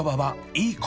いい子。